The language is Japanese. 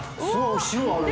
お城ある。